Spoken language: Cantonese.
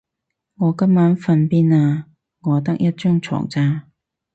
你今晚瞓邊啊？我得一張床咋